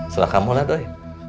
silahkan kamu lihat woy